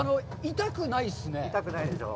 痛いないでしょう？